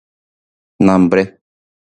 Nambre.